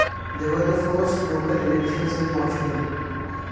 They were the first local elections in Portugal.